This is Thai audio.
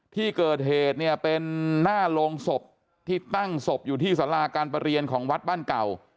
ที่เกิดเหตุเนี่ยเป็นหน้าโรงศพที่ตั้งศพอยู่ที่สาราการประเรียนของวัดบ้านเก่า